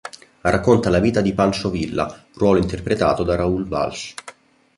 Racconta la vita di Pancho Villa, ruolo interpretato da Raoul Walsh.